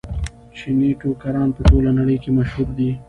چیني ټوکران په ټوله نړۍ کې مشهور دي.